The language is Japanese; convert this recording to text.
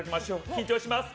緊張します。